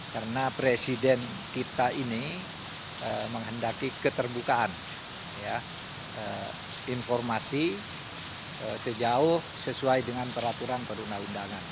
karena presiden kita ini menghendaki keterbukaan informasi sejauh sesuai dengan peraturan perundang undangan